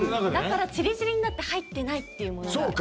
だから散り散りになって入ってないというものが。